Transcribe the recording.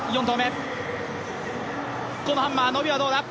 このハンマー、伸びはどうだ。